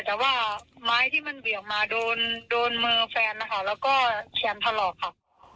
แต่ว่าไม้ที่มันเหวี่ยงมาโดนมือแฟนนะคะแล้วก็แขนถลอกค่ะ